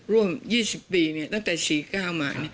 ร่วม๒๐ปีตั้งแต่๔๙มา